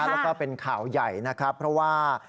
แล้วก็เป็นข่าวใหญ่เพราะว่า